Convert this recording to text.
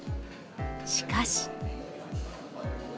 しかし。